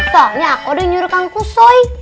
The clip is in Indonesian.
soalnya aku udah nyuruh kukusoi